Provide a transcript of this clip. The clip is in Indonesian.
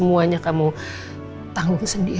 bapak bantu sini